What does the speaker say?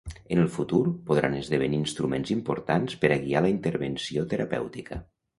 En el futur, podran esdevenir instruments importants per a guiar la intervenció terapèutica.